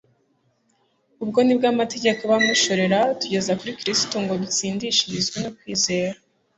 ubwo ni bwo amategeko aba umushorera utugeza kuri Kristo ngo dutsindishirizwe no kwizera.